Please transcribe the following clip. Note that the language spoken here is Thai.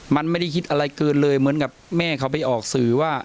มันไม่ได้คิดอะไรเกินเลยเหมือนกับแม่เขาไปออกสื่อว่า